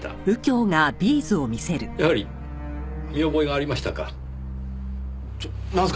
やはり見覚えがありましたか。